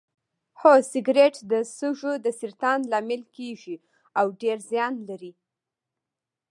هو سګرټ د سږو د سرطان لامل کیږي او ډیر زیان لري